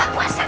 mau buka puasa